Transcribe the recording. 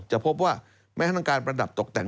จะพบว่าแม้ทั้งการประดับตกแต่ง